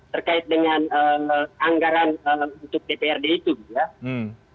terkait dengan anggaran untuk dprd itu gitu ya